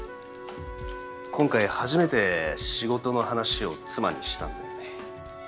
今回初めて仕事の話を妻にしたんだよね。